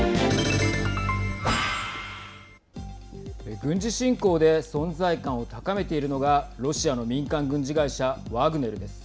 軍事侵攻で存在感を高めているのがロシアの民間軍事会社ワグネルです。